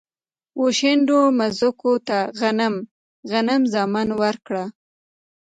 و، شنډو مځکوته غنم، غنم زامن ورکړه